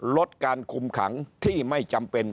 ลดการคุมขังที่ไม่จำเป็น